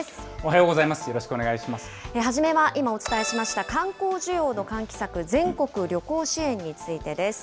よろし初めは、今お伝えしました観光需要の喚起策、全国旅行支援についてです。